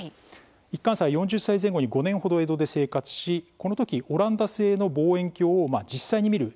一貫斎は４０歳前後に５年ほど江戸で生活しこの時オランダ製の望遠鏡を実際に見る機会がありました。